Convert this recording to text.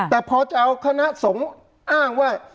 แต่พอจะเอาคณะสงฆ์อ้างว่า